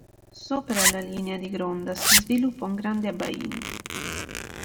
Sopra la linea di gronda si sviluppa un grande abbaino.